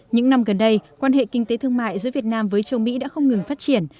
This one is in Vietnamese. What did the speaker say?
những năm gần đây quan hệ kinh tế thương mại giữa việt nam với châu mỹ đã không ngừng phát triển